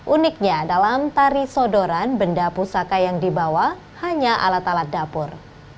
uniknya dalam tari sodoran benda pusaka yang dibawa hanya alat alat dapur